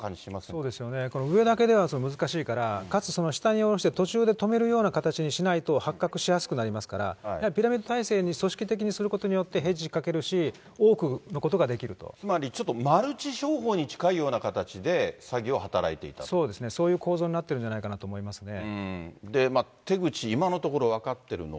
そうですよね、上だけでは難しいから、かつ、その下におろして、途中で止めるような形にしないと、発覚しやすくなりますから、やはりピラミッド体制に組織的にすることによって、つまりちょっとマルチ商法にそうですね、そういう構造になってるんじゃないかなと思いますね。